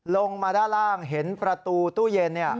ลงมาด้านล่างเห็นประตูตู้เย็น